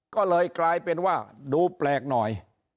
ก็เลยกลายเป็นว่าดูแปลกหน่อย